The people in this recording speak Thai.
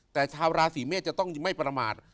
แต่ชาวราศีเมษจะต้องไม่ประมาท